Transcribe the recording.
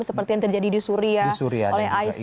seperti yang terjadi di syria oleh isis